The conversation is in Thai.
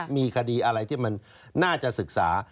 มีคดีอะไรที่มันน่าจะศึกษา